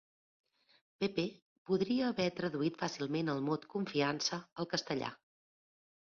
Pepe podria haver traduït fàcilment el mot "confiança" al castellà.